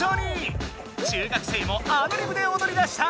中学生もアドリブでおどりだした！